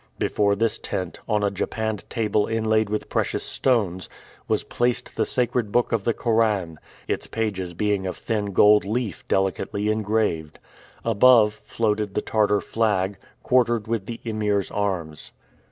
Before this tent, on a japanned table inlaid with precious stones, was placed the sacred book of the Koran, its pages being of thin gold leaf delicately engraved. Above floated the Tartar flag, quartered with the Emir's arms.